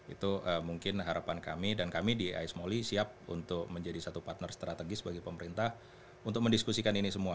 itu mungkin harapan kami dan kami di aismoli siap untuk menjadi satu partner strategis bagi pemerintah untuk mendiskusikan ini semua